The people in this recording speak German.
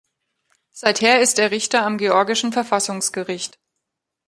Seither ist er Richter am georgischen Verfassungsgericht.